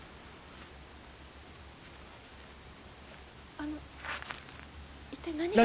あの一体何が。